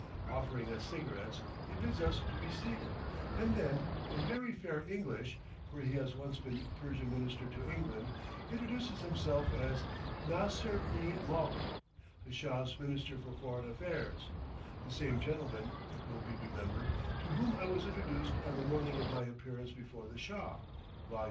Offering us cigarettes, he bids us be seated, and then, in very fair English (for he has once been Persian Minister to England), introduces himself as "Nasr i Mulk," the Shah's Minister for Foreign Affairs; the same gentleman, it will be remembered, to whom I was introduced on the morning of my appearance before the Shah. (Vol.